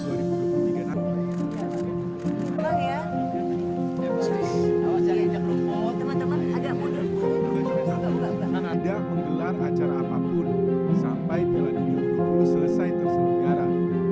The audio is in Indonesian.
tidak menggelar acara apapun sampai pelatihan itu selesai tersegara